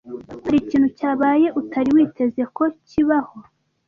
Hari ikintu cyabaye utari witeze ko kibaho?